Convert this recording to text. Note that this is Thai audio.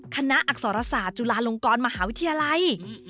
อักษรศาสตร์จุฬาลงกรมหาวิทยาลัย